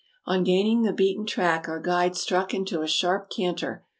On gaining the beaten track our guide struck into a sharp canter.